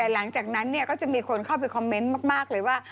หลังจากนั้นก็จะมีคนเข้าไปคอมเมนต์มากเลยว่า